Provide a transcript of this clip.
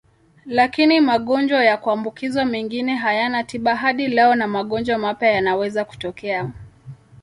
Lakini magonjwa ya kuambukizwa mengine hayana tiba hadi leo na magonjwa mapya yanaweza kutokea.